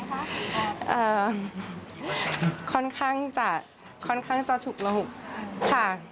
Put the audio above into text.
ค่อนข้างจะค่อนข้างจะฉุกระหุกค่ะ